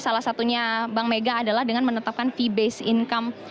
salah satunya bank mega adalah dengan menetapkan fee based income